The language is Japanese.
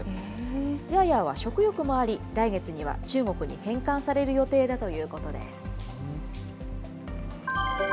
ヤーヤーは食欲もあり、来月には中国に返還される予定だということです。